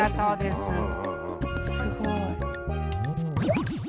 すごい。